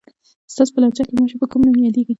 ستاسو په لهجه کې ماشې په کوم نوم یادېږي؟